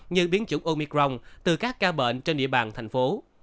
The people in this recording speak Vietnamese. như biến chủng omicron từ các ca bệnh trên địa bàn thành phố